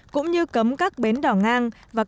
cũng như cấm các bến đỏ ngang